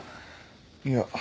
いや。